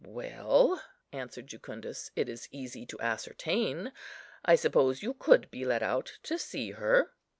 "Well," answered Jucundus, "it is easy to ascertain. I suppose you could be let out to see her."